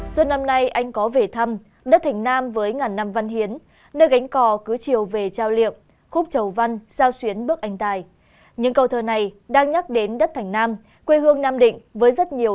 các bạn hãy đăng ký kênh để ủng hộ kênh của chúng mình nhé